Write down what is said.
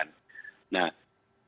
nah catatan signifikan